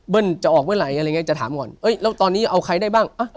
เบิ้ลจะออกเวลาอะไรอย่างเงี้ยจะถามก่อนเอ้ยแล้วตอนนี้เอาใครได้บ้างอ่ะ